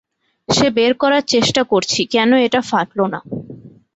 সে বের করার চেষ্টা করছি কেন এটা ফাটলো না।